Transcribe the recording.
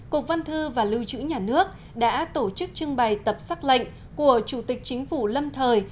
cục văn thư và lưu trữ nhà nước đã tổ chức trưng bày tập sắc lệnh của chủ tịch chính phủ lâm thời